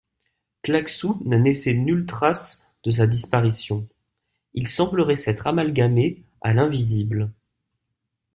Claquesous n'a laissé nulle trace de sa disparition ; il semblerait s'être amalgamé à l'invisible.